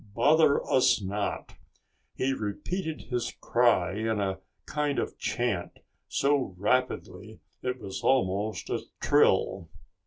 Bother us not!" He repeated his cry in a kind of chant, so rapidly it was almost a trill.